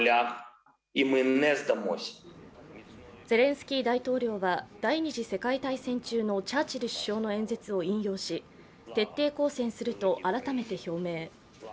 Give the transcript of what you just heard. ゼレンスキー大統領は第二次世界大戦中のチャーチル首相の演説を引用し徹底抗戦すると改めて表明。